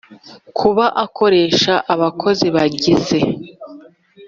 Kuba akoresha abakozi babigize